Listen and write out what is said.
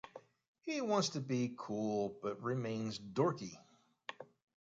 He wants to be cool, but remains dorky.